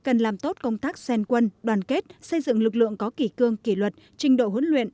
cần làm tốt công tác xoan quân đoàn kết xây dựng lực lượng có kỷ cương kỷ luật trình độ huấn luyện